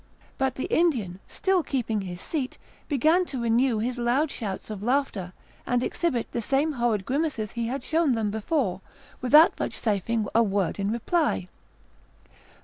But the Indian, still keeping his seat, began to renew his loud shouts of laughter, and exhibit the same horrid grimaces he had shown them before, without vouchsafing a word in reply.